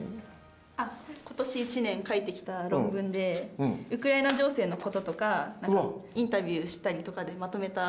あっ今年一年書いてきた論文でウクライナ情勢のこととか何かインタビューしたりとかでまとめた論文です。